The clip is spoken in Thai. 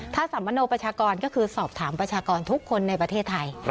ถ้าสัมมโนประชากรก็คือสอบถามประชากรทุกคนในประเทศไทย